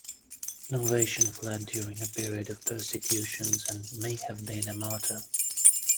Novatian fled during a period of persecutions, and may have been a martyr.